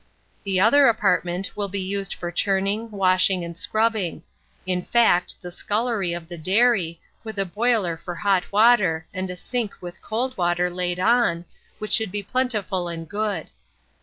The other apartment will be used for churning, washing, and scrubbing in fact, the scullery of the dairy, with a boiler for hot water, and a sink with cold water laid on, which should be plentiful and good.